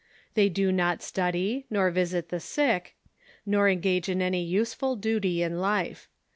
They do not study, nor visit the sick, nor engage in any useful duty in life.